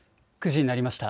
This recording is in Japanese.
９時になりました。